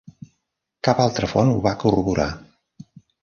Cap altra font ho va corroborar.